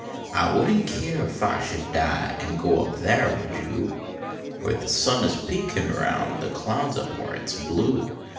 I wouldn t care if I should die Nd go up there, would you ? Where the sun is peekin round The clouds, up where it s blue